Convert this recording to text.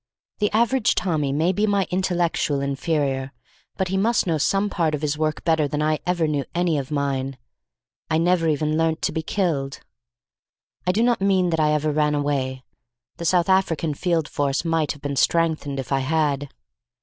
The average Tommy may be my intellectual inferior, but he must know some part of his work better than I ever knew any of mine. I never even learnt to be killed. I do not mean that I ever ran away. The South African Field Force might have been strengthened if I had.